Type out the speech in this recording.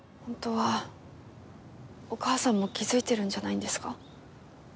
本当はお母さんも気づいてるんじゃないんですか？